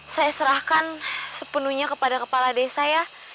saya serahkan sepenuhnya kepada kepala desa ya